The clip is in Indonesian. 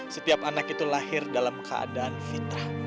setiap anak itu lahir dalam keadaan fitrah